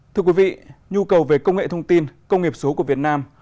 thưa quý vị nhu cầu về công nghệ thông tin công nghiệp số của việt nam